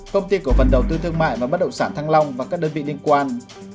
công ty cổ phần đầu tư thương mại và bất động sản thăng long và các đơn vị liên quan